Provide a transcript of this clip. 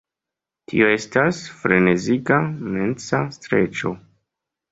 Tio estas freneziga mensa streĉo.